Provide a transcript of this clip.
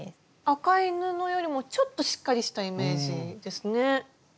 赤い布よりもちょっとしっかりしたイメージですね。